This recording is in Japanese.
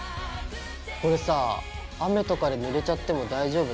これさぁ雨とかでぬれちゃっても大丈夫なの？